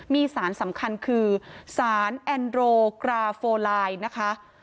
มีสารสำคัญคือสารแอนโดรกราโฟไลน์นะคะ